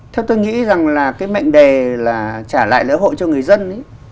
theo tôi nghĩ rằng là cái mệnh đề là trả lại lễ hội cho người dân